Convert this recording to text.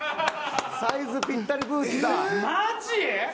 サイズぴったりブーツだ。